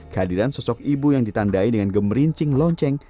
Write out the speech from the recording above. kehadiran sosok ibu yang ditandai dengan gemerincing lonceng